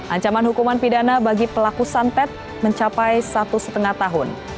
ancaman hukuman pidana bagi pelaku santet mencapai satu lima tahun